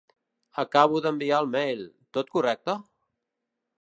Acabo d'enviar el mail, tot correcte?